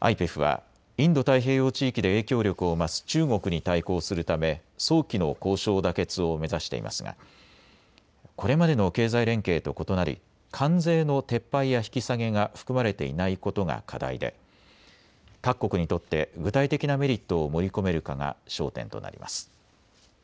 ＩＰＥＦはインド太平洋地域で影響力を増す中国に対抗するため早期の交渉妥結を目指していますがこれまでの経済連携と異なり関税の撤廃や引き下げが含まれていないことが課題で各国にとって具体的なメリットを盛り込めるかが焦点となります。